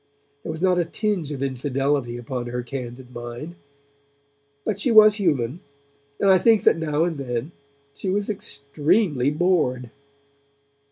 There was not a tinge of infidelity upon her candid mind, but she was human, and I think that now and then she was extremely bored.